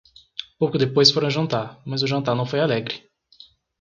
Pouco depois foram jantar; mas o jantar não foi alegre.